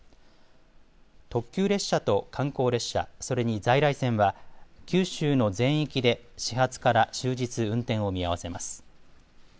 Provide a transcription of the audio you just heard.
特急列車と観光列車、それに在来線は九州の全域で始発から終日、運転を見合わせます。